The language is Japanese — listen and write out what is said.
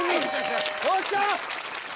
よっしゃ！